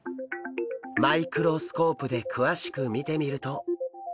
マイクロスコープで詳しく見てみると。